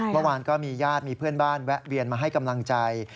เมื่อวานก็มีญาติมีเพื่อนบ้านแวะเวียนมาให้กำลังใจ